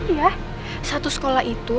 iya satu sekolah itu